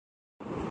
بلکہ محبت تھی